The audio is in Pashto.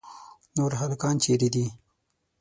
نور هلکان چیرې دي؟